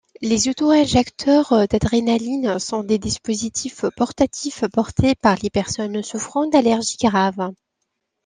Les auto-injecteurs d'adrénaline sont des dispositifs portatifs portés par les personnes souffrant d'allergies graves.